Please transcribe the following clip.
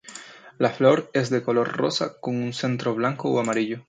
La flor es de color rosa con un centro blanco o amarillo.